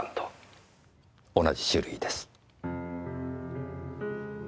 同じ種類です。